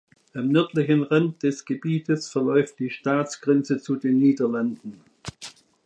Am nördlichen Rand des Gebietes verläuft die Staatsgrenze zu den Niederlanden.